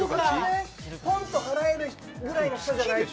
ぽんと払えるくらいの人じゃないと。